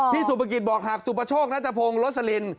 ที่ศุภกิจบอกหากสุปชโศกนัตรพงษ์โลซลิน